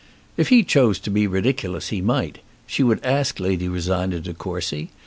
If he chose to be ridiculous he might. She would ask Lady Rosina De Courcy.